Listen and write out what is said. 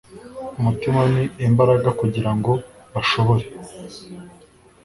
umutima n imbaraga kugira ngo bashobore